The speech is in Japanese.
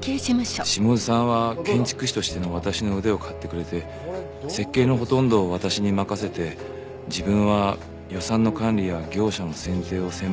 下津さんは建築士としての私の腕を買ってくれて設計のほとんどを私に任せて自分は予算の管理や業者の選定を専門に行っていました。